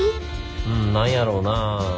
うん何やろうなあ。